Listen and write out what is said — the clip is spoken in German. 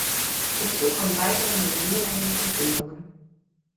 Hinzu kommen weitere Nominierungen und Ehrungen.